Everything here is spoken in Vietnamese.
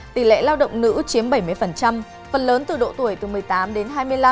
tỷ lệ lao động nữ chiếm bảy mươi phần lớn từ độ tuổi từ một mươi tám đến hai mươi năm